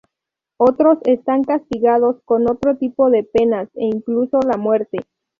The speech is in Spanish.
Otros están castigados con otro tipo de penas, e incluso la muerte.